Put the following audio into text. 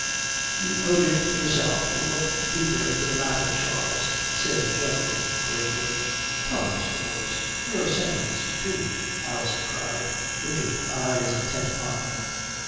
"You owed it to yourself to look deeper into the matter, Charles," said Geoffrey gravely. "Come, Mr. Boyce, your sentence too," Alison cried, wicked eyes intent upon him.